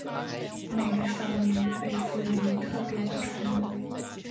每个少女被赋与特别的宠物。